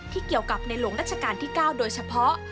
เกี่ยวกับในหลวงรัชกาลที่๙โดยเฉพาะ